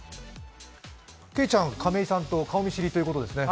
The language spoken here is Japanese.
けいちゃん、亀井さんと顔見知りということですね。